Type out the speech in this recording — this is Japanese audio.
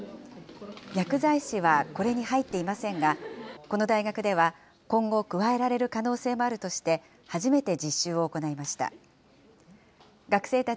薬剤師はこれに入っていませんが、この大学では、今後、加えられる可能性もあるとして、初めて実習を行いました。